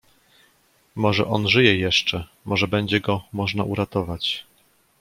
"Może on żyje jeszcze, może będzie go można uratować."